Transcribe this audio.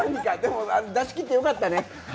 出し切ってよかったね。